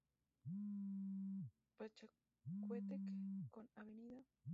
Pachacútec con Av.